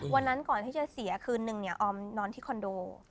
วันนั้นก่อนที่จะเสียคืนนึงเนี่ยออมนอนที่คอนโด